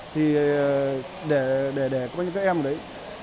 thì để có những các em ở đấy